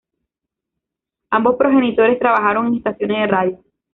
Ambos progenitores trabajaron en estaciones de radio.